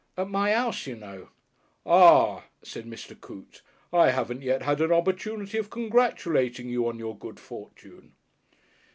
At my 'ouse, you know." "Ah!" said Mr. Coote. "I haven't yet had an opportunity of congratulating you on your good fortune."